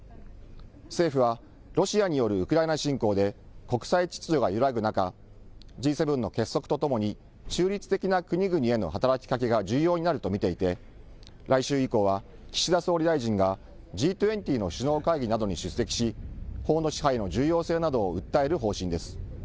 政府は、ロシアによるウクライナ侵攻で、国際秩序が揺らぐ中、Ｇ７の結束とともに、中立的な国々への働きかけが重要になると見ていて、来週以降は、岸田総理大臣がＧ２０の首脳会議などに出席し、法の支配の重要性などを訴える方針です。